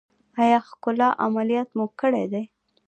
ایا ښکلا عملیات مو کړی دی؟